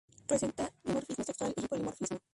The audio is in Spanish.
Presenta dimorfismo sexual y polimorfismo.